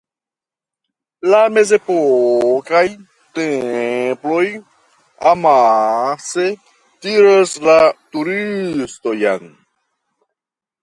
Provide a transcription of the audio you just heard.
La mezepokaj temploj amase tiras la turistojn.